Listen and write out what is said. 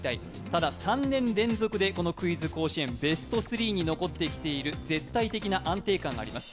ただ、３年連続でこのクイズ甲子園、ベスト３に残ってきている絶対的な安定感があります。